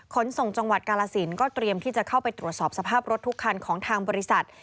ขนส่งจังหวัดกาลสินก็เตรียมที่จะเข้าไปตรวจสอบสภาพรถทุกคันของทางบริษัท